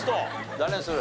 誰にする？